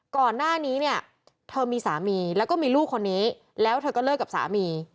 ก่อนหน้านี้เนี่ยเธอมีสามีแล้วก็มีลูกคนนี้แล้วเธอก็เลิกกับสามี